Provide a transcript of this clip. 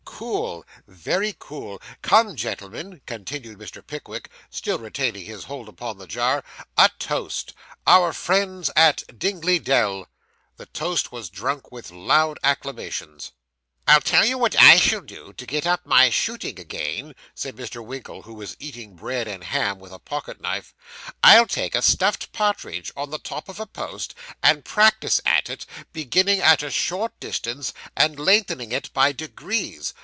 Cool; very cool. Come, gentlemen,' continued Mr. Pickwick, still retaining his hold upon the jar, 'a toast. Our friends at Dingley Dell.' The toast was drunk with loud acclamations. 'I'll tell you what I shall do, to get up my shooting again,' said Mr. Winkle, who was eating bread and ham with a pocket knife. 'I'll put a stuffed partridge on the top of a post, and practise at it, beginning at a short distance, and lengthening it by degrees.